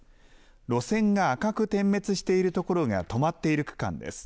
路線が赤く点滅している所が止まっている区間です。